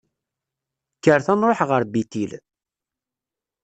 Kkret ad nṛuḥ ɣer Bitil.